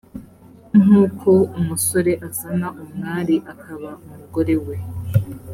nk uko umusore azana umwari akaba umugore we